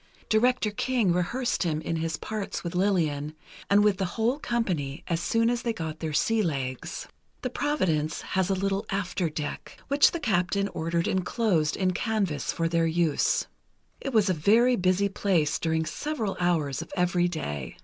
Director King rehearsed him in his parts with Lillian, and with the whole company, as soon as they got their sea legs. The Providence has a little after deck, which the captain ordered enclosed in canvas for their use. It was a very busy place during several hours of every day.